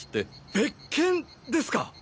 別件ですか？